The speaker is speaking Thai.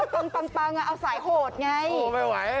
ปั้งปั้งปั้งอ่ะเอาใส่โหดไงโอ้ยไม่ไหว